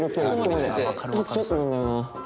あとちょっとなんだよな。